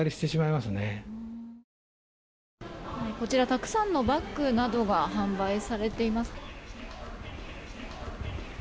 たくさんのバッグなどが販売されています。